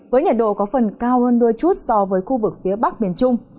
với nhiệt độ có phần cao hơn đôi chút so với khu vực phía bắc miền trung